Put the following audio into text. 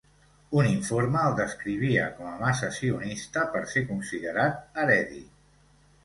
Un informe el descrivia com a massa sionista per ser considerat Haredi.